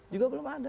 juga belum ada